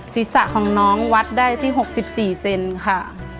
ศีรษะของน้องวัดได้ที่๖๔เซนค่ะ